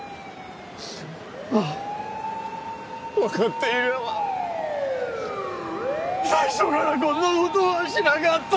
ああわかっていれば最初からこんな事はしなかった！